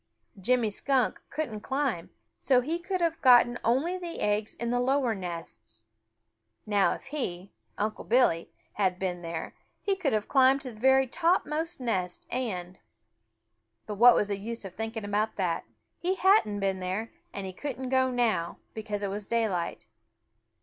Jimmy Skunk couldn't climb, and so he could have gotten only the eggs in the lower nests. Now if he, Unc' Billy, had been there, he could have climbed to the very topmost nest and but what was the use of thinking about it? He hadn't been there, and he couldn't go now, because it was daylight.